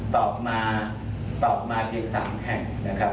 ตอบมาตอบมาเพียง๓แห่งนะครับ